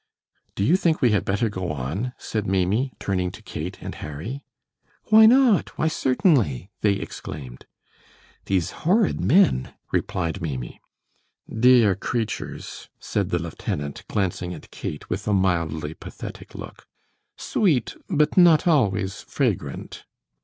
"Do you think we had better go on?" said Maimie, turning to Kate and Harry. "Why not? Why, certainly!" they exclaimed. "These horrid men," replied Maimie. "Dear creatures!" said the lieutenant, glancing at Kate with a mildly pathetic look. "Sweet, but not always fragrant."